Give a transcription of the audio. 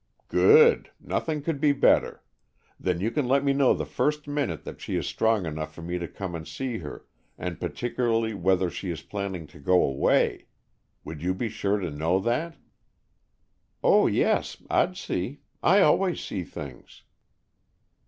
"Good. Nothing could be better. Then you can let me know the first minute that she is strong enough for me to come and see her, and particularly whether she is planning to go away. Would you be sure to know that?" "Oh, yes. I'd see. I always see things."